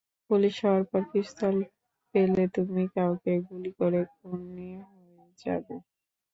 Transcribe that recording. Police হওয়ার পর pistol পেলে তুমি কাউকে গুলি করে খুনি হয়ে যাবে।